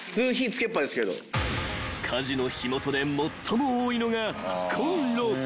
［火事の火元で最も多いのがこんろ］